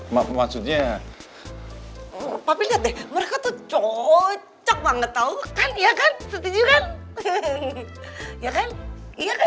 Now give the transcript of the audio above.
maksudnya tapi lihat deh mereka cocok banget tahu kan iya kan setuju kan iya kan iya kan